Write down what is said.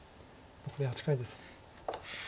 残り８回です。